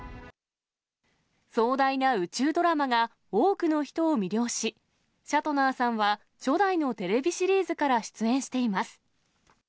壮大な宇宙ドラマが多くの人を魅了し、シャトナーさんは、初代のテレビシリーズから出演しています。